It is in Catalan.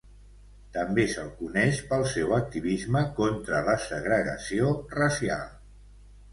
També se'l coneix pel seu activisme contra la segregació racial.